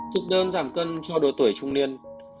chụp đơn giảm cân cho đôi tuổi trung niên